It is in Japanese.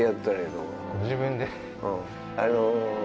ご自分で？